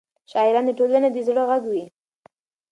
شاعران د ټولنې د زړه غږ وي.